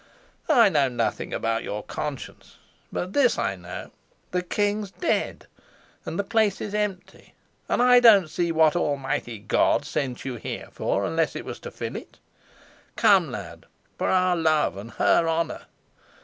I know nothing about your conscience; but this I know: the king's dead, and the place is empty; and I don't see what Almighty God sent you here for unless it was to fill it. Come, lad for our love and her honor!